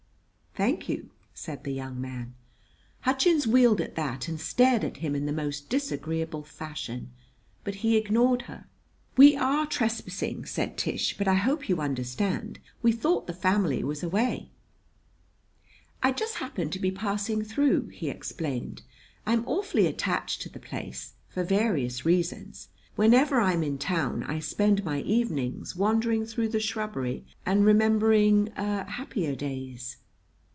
"Thank you," said the young man. Hutchins wheeled at that and stared at him in the most disagreeable fashion; but he ignored her. "We are trespassing," said Tish; "but I hope you understand. We thought the family was away." "I just happened to be passing through," he explained. "I'm awfully attached to the place for various reasons. Whenever I'm in town I spend my evenings wandering through the shrubbery and remembering er happier days."